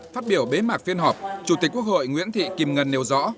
phát biểu bế mạc phiên họp chủ tịch quốc hội nguyễn thị kim ngân nêu rõ